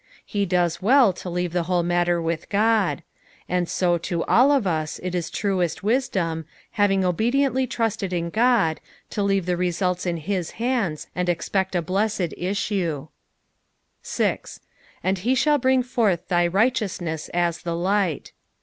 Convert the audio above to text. He does well to leave the whole matter with God i and so to all of us it is truest wisdom, having obediently trusted in God, to leave results in his hands, and expect a blessed issue, 8. '^ And he shall bring forth thy righteovtnat at the light."